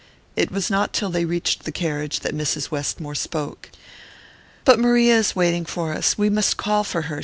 It was not till they reached the carriage that Mrs. Westmore spoke. "But Maria is waiting for us we must call for her!"